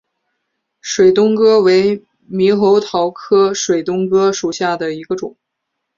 水东哥为猕猴桃科水东哥属下的一个种。